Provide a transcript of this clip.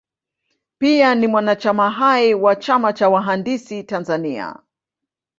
Pia ni mwanachama hai wa chama cha wahandisi Tanzania